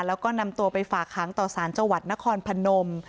แล้วก็นำตัวไปฝากค้างต่อสารจังหวัดนครพนม